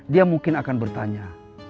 dia mungkin akan bertanya